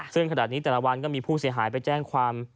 ซึ่งขณะนี้แต่ละวันก็มีผู้เสียหายไปแจ้งความ